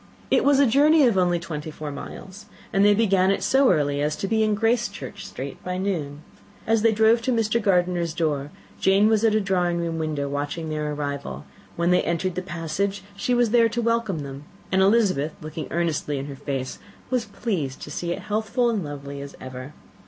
It was a journey of only twenty four miles, and they began it so early as to be in Gracechurch Street by noon. As they drove to Mr. Gardiner's door, Jane was at a drawing room window watching their arrival: when they entered the passage, she was there to welcome them, and Elizabeth, looking earnestly in her face, was pleased to see it healthful and lovely as ever.